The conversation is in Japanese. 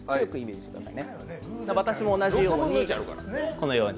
私も同じように、このように。